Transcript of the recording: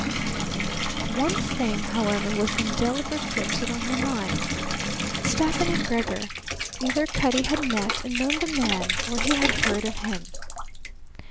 One thing, however, was indelibly printed on her mind. Stefani Gregor either Cutty had met and known the man or he had heard of him.